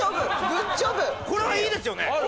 これはいいですよね？